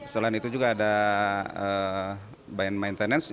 selain itu juga ada bayan maintenance